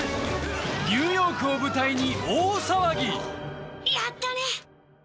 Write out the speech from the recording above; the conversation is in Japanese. ニューヨークを舞台に大騒ぎやったね！